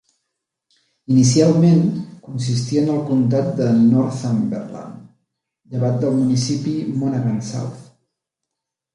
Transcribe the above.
Inicialment, consistia en el comtat de Northumberland, llevat del municipi Monaghan South.